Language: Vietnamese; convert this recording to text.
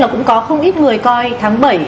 cũng có không ít người coi tháng bảy